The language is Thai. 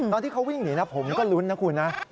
ตอนที่เขาวิ่งหนีนะผมก็ลุ้นนะคุณนะ